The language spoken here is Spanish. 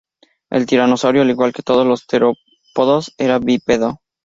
El tiranosaurio, al igual que todos los terópodos, era bípedo.